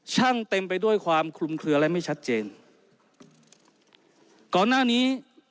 เต็มไปด้วยความคลุมเคลือและไม่ชัดเจนก่อนหน้านี้